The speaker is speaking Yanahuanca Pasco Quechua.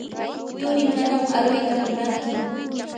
turii manan aruyta munantsu.